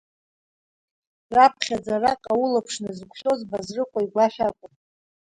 Раԥхьаӡа араҟа улаԥш назықәшәоз Базрыҟәа игәашә акәын.